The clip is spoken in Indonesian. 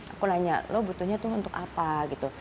aku nanya lo butuhnya tuh untuk apa gitu